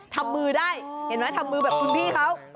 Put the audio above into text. ทำมือได้เห็นไหมทำมือแบบคุณพี่เขา